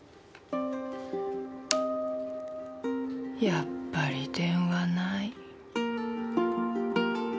やっぱり電話ない。